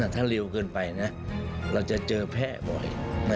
ถ้าเร็วเกินไปนะเราจะเจอแพร่บ่อย